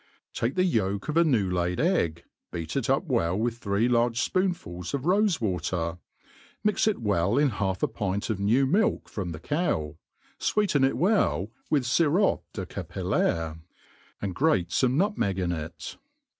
TAKE the yolk of a new lfid egg, beat it up «r«H with three large fpoonfuls of rofe jvater ; mix it well in Jialf a pioi: of new milk frocn the cow, fweetcjo it well with iirop de captU laire, and grate fame nutmeg in it.